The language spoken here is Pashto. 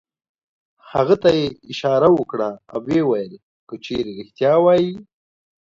هغه ته یې اشاره وکړه او ویې ویل: که چېرې رېښتیا وایې.